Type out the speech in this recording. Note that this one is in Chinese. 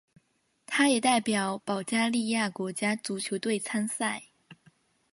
他也代表保加利亚国家足球队参赛。